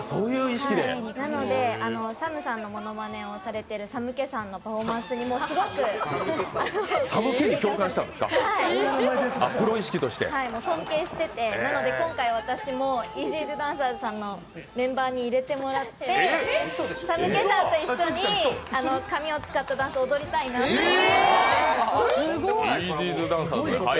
なので、ＳＡＭさんのものまねをされている、さむけさんすごく尊敬してて今回、私もイージードゥダンサーズさんのメンバーに入れていただいて、さむけさんと一緒に髪を使ったダンスを踊りたいなと思って。